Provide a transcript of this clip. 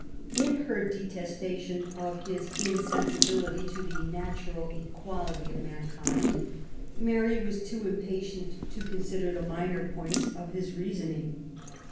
In her detestation of his insensibility to the natural equality of mankind, Mary was too impatient to con , 43ider the minor points of his reasoning.